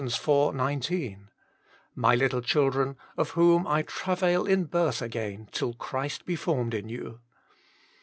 19: " My little children, of whom / travail in birth again till Christ be formed in you."